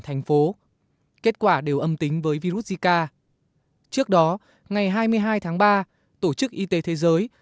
thành phố kết quả đều âm tính với virus zika trước đó ngày hai mươi hai tháng ba tổ chức y tế thế giới